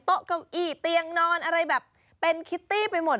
เก้าอี้เตียงนอนอะไรแบบเป็นคิตตี้ไปหมด